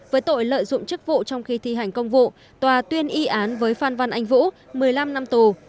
với tội lợi dụng chức vụ trong khi thi hành công vụ tòa tuyên y án với phan văn anh vũ một mươi năm năm tù